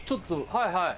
はいはい。